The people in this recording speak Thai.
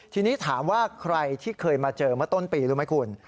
ทีนี้ถามว่าใครที่เคยมาเจอเมื่อต้นปีรู้ไหมคุณ